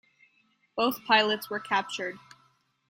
Both pilots were captured.